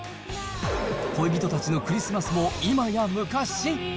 恋人たちのクリスマスも今や昔？